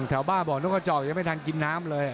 แถวบ้านบอกนกกระจอกยังไม่ทันกินน้ำเลย